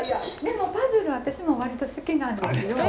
でもパズル私も割と好きなんですよ。